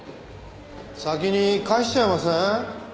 先に返しちゃいません？